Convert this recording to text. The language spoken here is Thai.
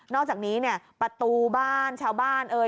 อกจากนี้เนี่ยประตูบ้านชาวบ้านเอ่ย